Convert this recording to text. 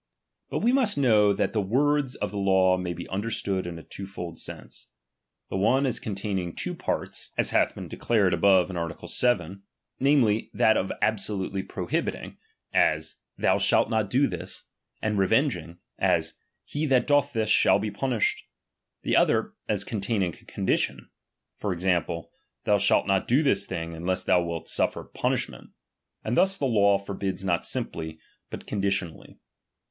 But we must know, that 'he words of the law may be understood in a two fold sense. The one as containing two parts, (as 'rHAP. XIV. hath been declared above in art. 7), namely, that Obedient not ^^ absolutely prohibiting, as, thou shalt not do '^^J^'xT '^'*'^^^ revenging, as, he that doth this, shall Htc md pcBHTB. be punished. The other, as containing a condition, ■ for example, thou shalt not do this thing, unless B thou wilt suffer punishment ; and thus the law ^L forbids not simply, but conditionally.